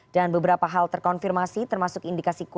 dan beberapa hal terkonfirmasi termasuk indikasi penyidik